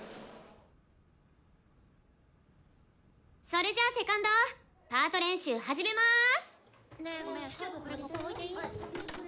それじゃあセカンドパート練習始めます。